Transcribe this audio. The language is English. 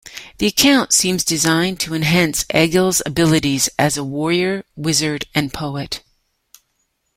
The account seems designed to enhance Egill's abilities as a warrior, wizard, and poet.